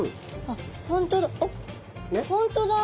あっ本当だ！